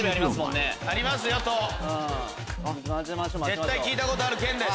絶対聞いたことある県。